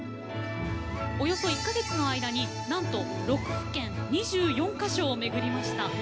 およそ１か月の間になんと６府県２４か所を巡りました。